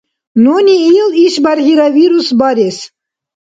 Нуни ил ишбархӀира вирус барес.